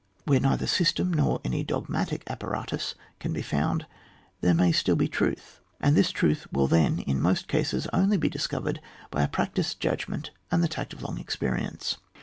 Where neither system nor any dog matic apparatus can be found, there may still be truth, and this truth will then, in most cases, only be discovered by a prac tised judgment and the tact of long experi ence.